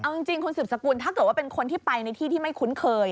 เอาจริงคุณสืบสกุลถ้าเกิดว่าเป็นคนที่ไปในที่ที่ไม่คุ้นเคย